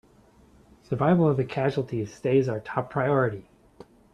Survival of the casualties stays our top priority!